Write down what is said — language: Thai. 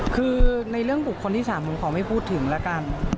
คือในเรื่องบุคคลที่๓ผมขอไม่พูดถึงแล้วกัน